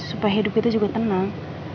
supaya hidup kita juga tenang